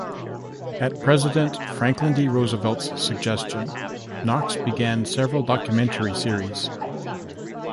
At President Franklin D. Roosevelt's suggestion, Knox began several documentary series.